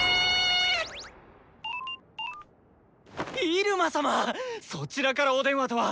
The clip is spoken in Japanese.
入間様⁉そちらからお電話とは！